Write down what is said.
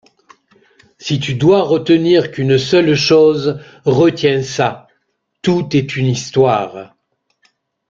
Si tu dois retenir qu’une seule chose, retiens ça: Tout est une histoire.